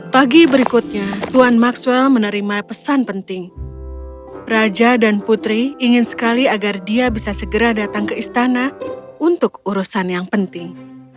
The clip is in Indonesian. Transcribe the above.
pagi berikutnya tuan maxwell menerima pesan penting raja dan putri ingin sekali agar dia bisa segera datang ke istana untuk urusan yang penting